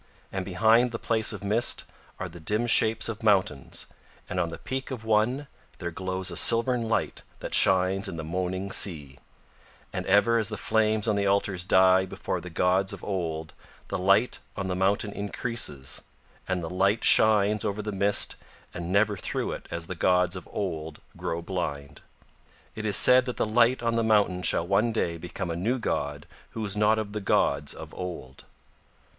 And behind the place of mist are the dim shapes of mountains, and on the peak of one there glows a silvern light that shines in the moaning sea; and ever as the flames on the altars die before the gods of Old the light on the mountain increases, and the light shines over the mist and never through it as the gods of Old grow blind. It is said that the light on the mountain shall one day become a new god who is not of the gods of Old.